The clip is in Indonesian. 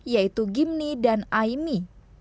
yaitu gimni dan aimi